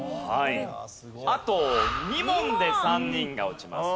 あと２問で３人が落ちます。